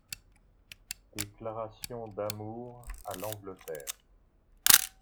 Déclaration d’amour à l’Angleterre.